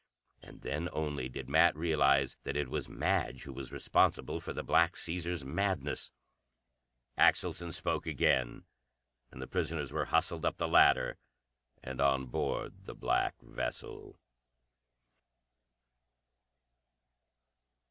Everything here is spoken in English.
And then only did Nat realize that it was Madge who was responsible for the Black Caesar's madness. Axelson spoke again, and the prisoners were hustled up the ladder and on board the black vessel.